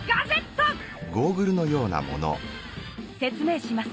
説明します。